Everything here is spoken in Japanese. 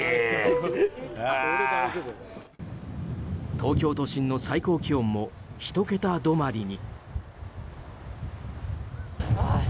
東京都心の最高気温も１桁止まりに。